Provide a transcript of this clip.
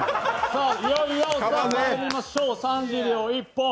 いよいよまいりましょう、３０秒１本。